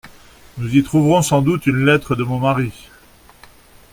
Nous y trouverons sans doute une lettre de mon mari.